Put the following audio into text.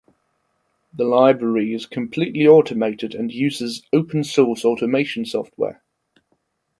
The library is completely automated and uses open source automation software.